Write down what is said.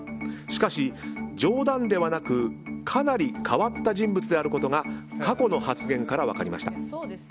しかし、冗談ではなくかなり変わった人物であることが過去の発言から分かりました。